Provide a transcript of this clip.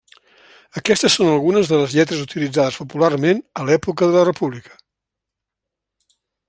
Aquestes són algunes de les lletres utilitzades popularment a l'època de la República.